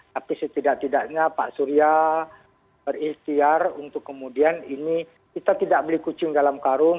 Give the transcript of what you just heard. tapi setidak tidaknya pak surya berikhtiar untuk kemudian ini kita tidak beli kucing dalam karung